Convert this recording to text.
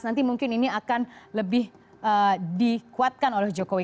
nanti mungkin ini akan lebih dikuatkan oleh jokowi